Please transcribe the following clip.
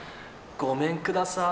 ごめんください